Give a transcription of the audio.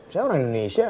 saya orang indonesia